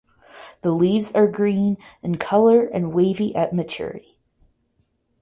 The leaves are green in color and wavy at maturity.